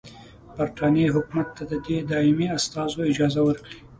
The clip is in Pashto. برټانیې حکومت ته دي د دایمي استازو اجازه ورکړي.